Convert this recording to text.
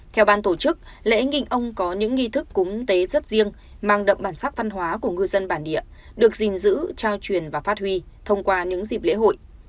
theo ban tổ chức lễ nghị ông có những nghi thức cúng tế rất riêng mang đậm bản sắc văn hóa của ngư dân bản địa được gìn giữ trao truyền và phát huy thông qua những dịp lễ hội